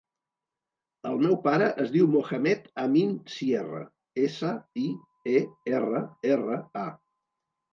El meu pare es diu Mohamed amin Sierra: essa, i, e, erra, erra, a.